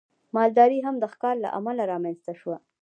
مالداري هم د ښکار له امله رامنځته شوه.